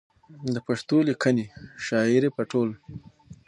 د پښتو ليکنۍ شاعرۍ په ټول